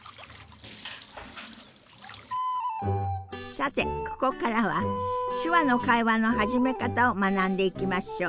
さてここからは手話の会話の始め方を学んでいきましょう。